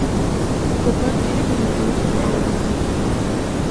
Su papá quiere que se quede con nosotros".